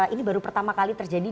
ini baru pertama kali terjadi